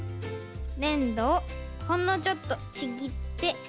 ねんどをほんのちょっとちぎって。